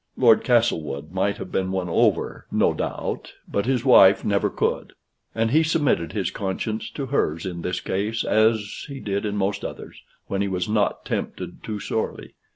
Lord Castlewood might have been won over, no doubt, but his wife never could: and he submitted his conscience to hers in this case as he did in most others, when he was not tempted too sorely.